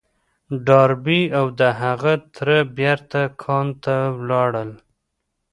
ډاربي او د هغه تره بېرته کان ته ولاړل.